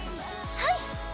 はい！